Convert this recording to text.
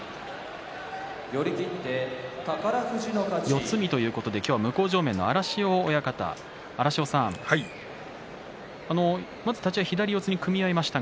四つ身ということで向正面の荒汐親方、荒汐さんまず立ち合い左四つに組み合いました。